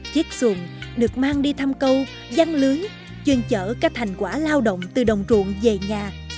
chiếc xuồng được mang đi thăm câu văn lưới chuyên chở các thành quả lao động từ đồng ruộng về nhà